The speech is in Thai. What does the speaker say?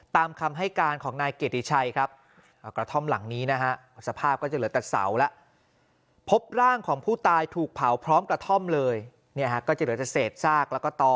ตามคำให้การของนายเกียรติชัยครับ